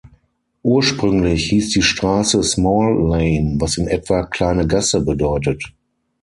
Ursprünglich hieß die Straße "Small Lane", was in etwa "kleine Gasse" bedeutet.